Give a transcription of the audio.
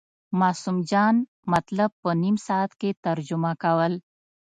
معصوم جان مطلب په نیم ساعت کې ترجمه کول.